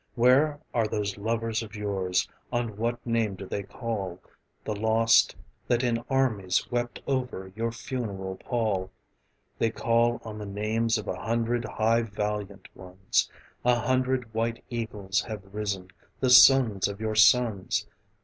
Where are those lovers of yours, on what name do they call, The lost, that in armies wept over your funeral pall? They call on the names of a hundred high valiant ones, A hundred white eagles have risen, the sons of your sons.